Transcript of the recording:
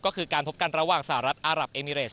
ก็คือการพบกันระหว่างสหรัฐอารับเอมิเรส